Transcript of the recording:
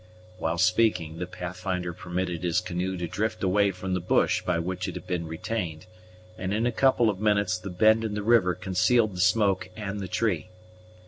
While speaking, the Pathfinder permitted his canoe to drift away from the bush by which it had been retained, and in a couple of minutes the bend in the river concealed the smoke and the tree.